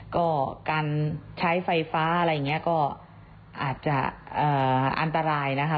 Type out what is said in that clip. ก็การใช้ไฟฟ้าอะไรอย่างนี้ก็อาจจะอันตรายนะคะ